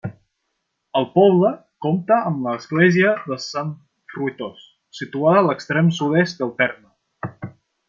El poble compta amb l'església de Sant Fruitós, situada a l'extrem sud-est del terme.